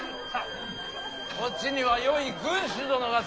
こっちにはよい軍師殿がついとる。